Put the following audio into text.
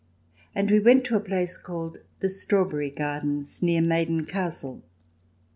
And we went to a place called The Strawberry Gardens near Maiden Castle.